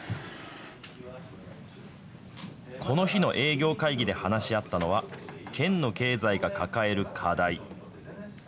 この日の営業会議で話し合ったのは、県の経済が抱える課題。